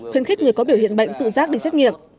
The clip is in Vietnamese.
khuyến khích người có biểu hiện bệnh tự giác đi xét nghiệm